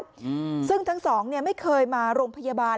อืมซึ่งทั้งสองเนี้ยไม่เคยมาโรงพยาบาล